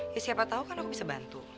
ya siapa tahu kan aku bisa bantu